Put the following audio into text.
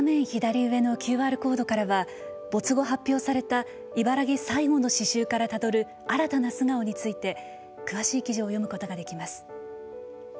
左上のＱＲコードからは没後発表された茨木最後の詩集からたどる新たな素顔について詳しい記事を読むことができます。